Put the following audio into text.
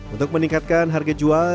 untuk meningkatkan harga jual